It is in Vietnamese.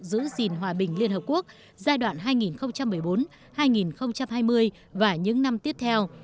giữ gìn hòa bình liên hợp quốc giai đoạn hai nghìn một mươi bốn hai nghìn hai mươi và những năm tiếp theo